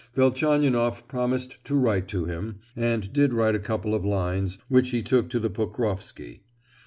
Velchaninoff promised to write to him, and did write a couple of lines, which he took to the Pokrofsky.